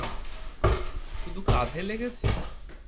শুধু কাঁধে লেগেছে?